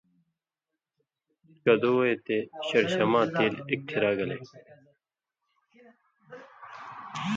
کدُوں وے تے شڑشماں تیل اکٹھِرا گلے